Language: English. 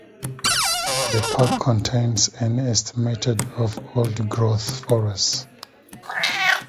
The park contains an estimated of old-growth forests.